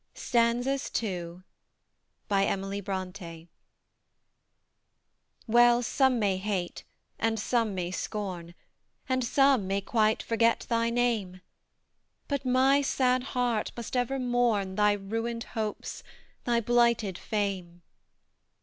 STANZAS TO Well, some may hate, and some may scorn, And some may quite forget thy name; But my sad heart must ever mourn Thy ruined hopes, thy blighted fame!